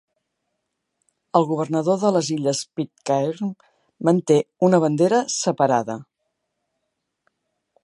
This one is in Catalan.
El governador de les illes Pitcairn manté una bandera separada.